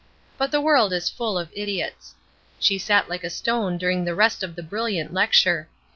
But the world is full of idiots. She sat like a stone during the rest of the brilliant lecture.